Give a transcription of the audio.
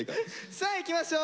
さあいきましょう。